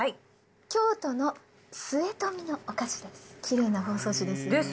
京都の末富のお菓子です。